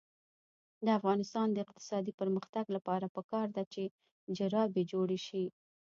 د افغانستان د اقتصادي پرمختګ لپاره پکار ده چې جرابې جوړې شي.